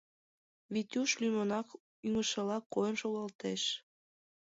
Витюш лӱмынак ӱҥышыла койын шогылтеш.